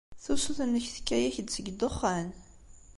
Tusut-nnek tekka-ak-d seg ddexxan.